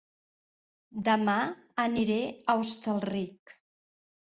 Dema aniré a Hostalric